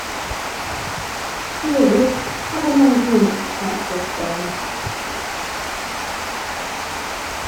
"Dearest, have another drink," counselled Dane.